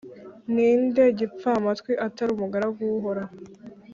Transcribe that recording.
Ni nde gipfamatwi atari umugaragu w’Uhoraho ?